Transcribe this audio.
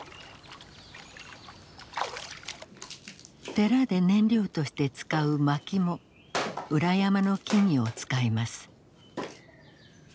寺で燃料として使うまきも裏山の木々を使います。